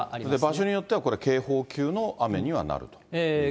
場所によってはこれ、警報級の雨にはなるということですね。